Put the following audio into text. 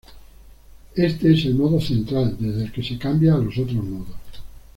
Éste es el "modo central", desde el que se cambia a los otros modos.